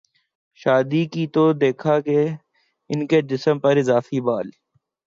شادی کی تو دیکھا کہ ان کے جسم پراضافی بال